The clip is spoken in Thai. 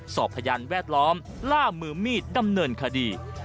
พยานแวดล้อมล่ามือมีดดำเนินคดี